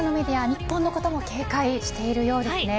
日本のことも警戒しているようですね。